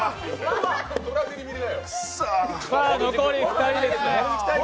残り２人ですね。